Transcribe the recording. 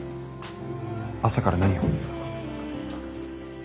朝から何を？